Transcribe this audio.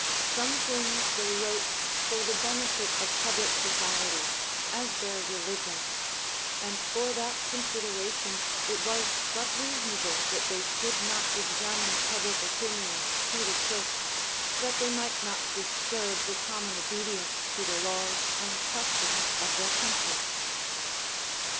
Some things they wrote for the benefit of public society, as their religions; and for that consideration it was but reasonable that they should not examine public opinions to the quick, that they might not disturb the common obedience to the laws and customs of their country.